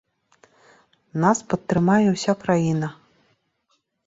Нас падтрымае ўся краіна.